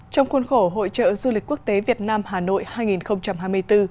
trong khuôn khổ hội trợ du lịch quốc tế việt nam hà nội hai nghìn hai mươi bốn